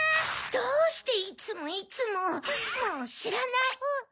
どうしていつもいつも！もうしらない！